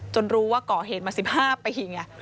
รู้ว่าก่อเหตุมา๑๕ปีไง